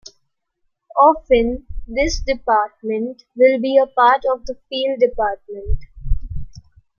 Often, this department will be a part of the field department.